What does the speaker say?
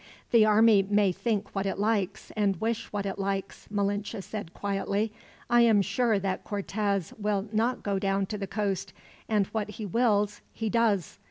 "The army may think what it likes, and wish what it likes," Malinche said, quietly. "I am sure that Cortez will not go down to the coast; and what he wills, he does.